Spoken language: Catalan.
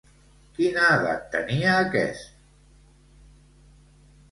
Quina edat tenia aquest?